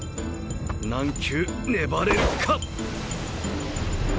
何球粘れるか！